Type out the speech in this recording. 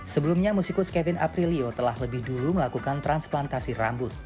sebelumnya musikus kevin aprilio telah lebih dulu melakukan transplantasi rambut